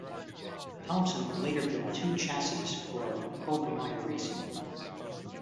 Thompson would later build two chassis for Obermaier Racing.